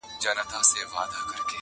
• ښه دی ښه دی قاسم یار چي دېوانه دی..